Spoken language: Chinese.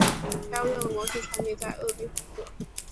该物种的模式产地在鄂毕河。